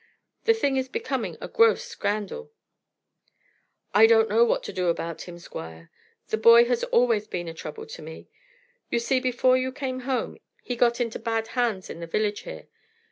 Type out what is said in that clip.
The thing is becoming a gross scandal." "I don't know what to do about him, Squire; the boy has always been a trouble to me. You see, before you came home, he got into bad hands in the village here.